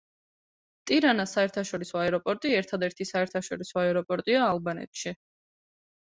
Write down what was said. ტირანას საერთაშორისო აეროპორტი ერთადერთი საერთაშორისო აეროპორტია ალბანეთში.